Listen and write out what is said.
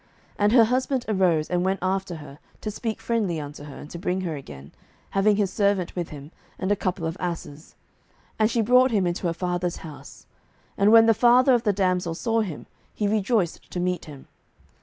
07:019:003 And her husband arose, and went after her, to speak friendly unto her, and to bring her again, having his servant with him, and a couple of asses: and she brought him into her father's house: and when the father of the damsel saw him, he rejoiced to meet him.